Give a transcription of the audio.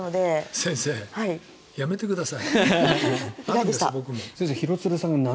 先生やめてください。